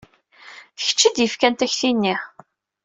D kečč ay d-yefkan takti-nni?